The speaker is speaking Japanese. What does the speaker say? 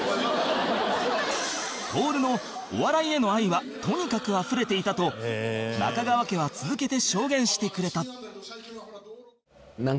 徹のお笑いへの愛はとにかくあふれていたと中川家は続けて証言してくれた